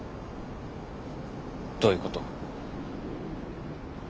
どういうこと？